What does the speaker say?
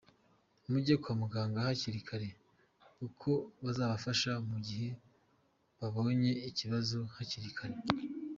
Mujye kwa Muganga hakiri kare kuko bazabafasha mu gihe babonye ikibazo hakiri kare.